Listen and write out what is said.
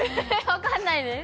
分かんないです。